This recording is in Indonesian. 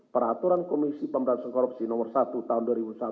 peraturan komisi pemberantasan korupsi nomor satu tahun dua ribu satu